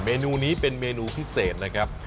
เมนูนี้เป็นเมนูพิเศษนะครับ